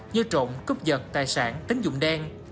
như trộn cúp giật tài sản tính dụng đen